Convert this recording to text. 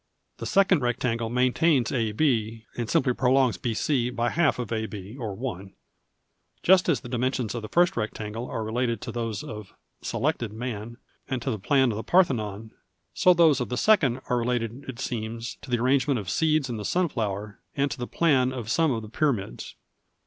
The second rectangle maintains AB, and simply prolongs BC by half of 190 THE SECRET OF GREEK ART AB or 1. Just as the dimensions of the first rect angle are related to those of (selected) man, and to the plan of the Parthenon, so those of the second are related, it seems, to the arrangement of seeds in the sunflower and to the plan of some of the Pyramids.